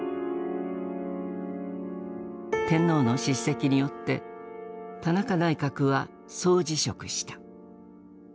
天皇の叱責によって田中内閣は総辞職した。